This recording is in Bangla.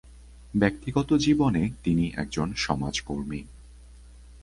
ব্যক্তিজীবনে তিনি একজন সমাজকর্মী।